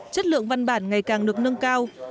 chất lượng văn bản ngày càng được nâng cao